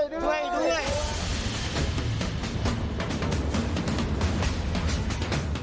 ช่วยด้วย